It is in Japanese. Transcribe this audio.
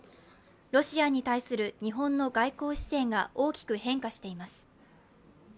ロシアに対する日本の外交姿勢が大きく変化しています。